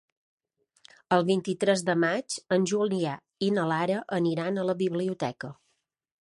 El vint-i-tres de maig en Julià i na Lara aniran a la biblioteca.